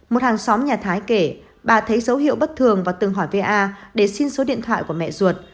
một hàng xóm nhà thái kể bà thấy dấu hiệu bất thường và từng hỏi về a để xin số điện thoại của mẹ ruột